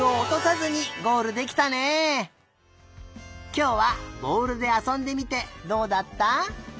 きょうはぼおるであそんでみてどうだった？